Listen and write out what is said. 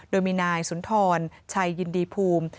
โดยมีนายสุนทรชัยยินดีภูมิ